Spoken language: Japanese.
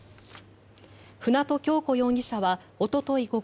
舟渡今日子容疑者はおととい